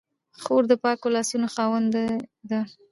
خور د پاکو لاسو خاوندې ده.